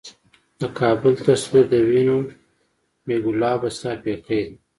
د کـــــــــابل تصویر د وینو ،بې ګلابه ستا پیکی دی